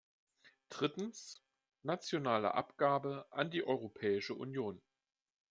Drittens, nationale Abgabe an die Europäische Union.